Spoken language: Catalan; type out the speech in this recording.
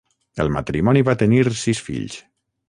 El matrimoni va tenir sis fills.